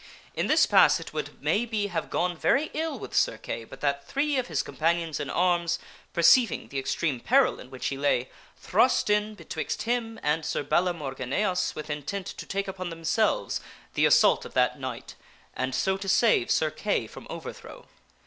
In this pass it would maybe have gone very ill with Sir Kay but that 16 THE WINNING OF KINGHOOD three of his companions in arms, perceiving the extreme peril in which he lay, thrust in betwixt him and Sir Balamorgineas with intent to take upon themselves the assault of that knight and so to save Sir Kay from over throw.